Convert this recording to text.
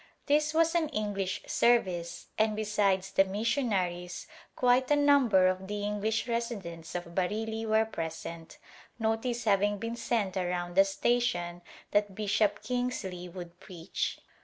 This was an English service and besides the mission aries quite a number of the English residents of Bareilly were present, notice having been sent around the sta tion that Bishop Kingsley would preach.